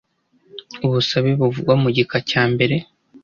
Ubusabe buvugwa mu gika cya mbere